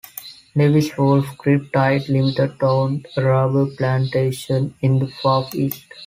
Lewis Woolf Grip-tight Limited owned a rubber plantation in the Far East.